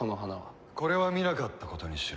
これは見なかったことにしろ。